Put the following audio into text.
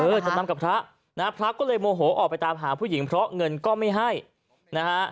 จำนำกับพระนะฮะพระก็เลยโมโหออกไปตามหาผู้หญิงเพราะเงินก็ไม่ให้นะฮะ